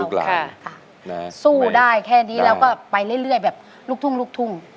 เป็นลูกล้านค่ะสู้ได้แค่นี้แล้วก็ไปเรื่อยเรื่อยแบบลุกทุ่งลุกทุ่ง